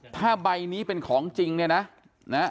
ถ้าใบนี้เป็นของจริงเนี่ยนะ